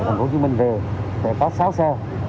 thành phố hồ chí minh về để có sáu xe